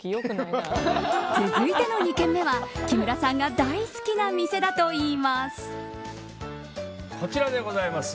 続いての２軒目は、木村さんが大好きな店だといいます。